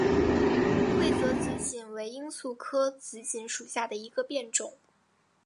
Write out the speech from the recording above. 会泽紫堇为罂粟科紫堇属下的一个变种。